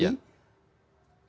yang saya kenal pribadi